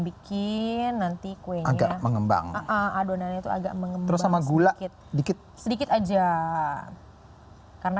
bikin nanti kuenya mengembang adonannya itu agak mengembang sama gula kita sedikit sedikit aja karena